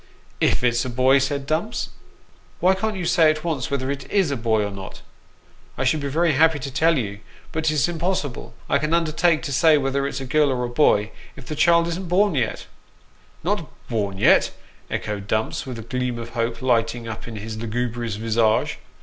" If it's a boy !" said Dumps ;" why can't you say at once whether it ia a boy or not ?" "I should be very happy to tell you, but it's impossible I can undertake to say whether it's a girl or a boy, if the child isn't born yet." " Not born yet !" echoed Dumps, with a gleam of hope lighting up his lugubrious visage.